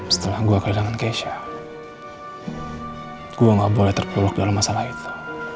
setelah gue keadaan dengan keisha gue gak boleh terpeluk dalam masalah itu